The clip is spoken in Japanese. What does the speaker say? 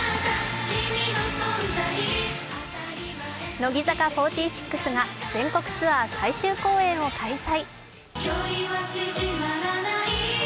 乃木坂４６が全国ツアー最終公演を開催。